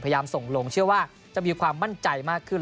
ส่งลงเชื่อว่าจะมีความมั่นใจมากขึ้น